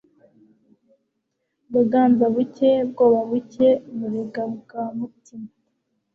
Bwanza-buke*, Bwoba-buke, Burega bwa Mutima,*